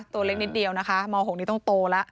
ตัวเล็กนิดเดียวนะคะม๖นี้ต้องโตแล้ว